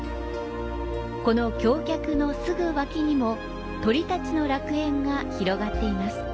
この橋脚のすぐ脇にも鳥たちの楽園が広がっています。